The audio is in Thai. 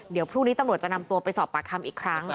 เดี๋ยวพรุ่งนี้ตำรวจจะนำตัวไปสอบปากคำอีกครั้ง